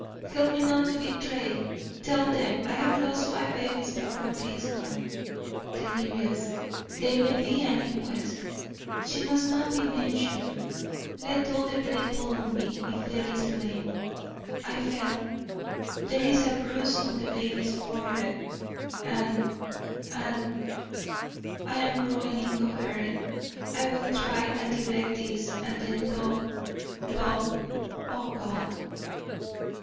Help me not to betray tell them I have lost five babies before this one delirious there may be an inquest she must not be mentioned let all the blame fall on me if there is blame I fell there is a bruise on the baby's forehead and and I am growing incoherent I will try and direct this and then love love O God!